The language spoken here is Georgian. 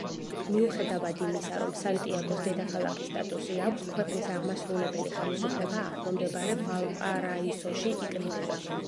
მიუხედავად იმისა, რომ სანტიაგოს დედაქალაქის სტატუსი აქვს, ქვეყნის აღმასრულებელი ხელისუფლება ახლომდებარე ვალპარაისოში იკრიბება.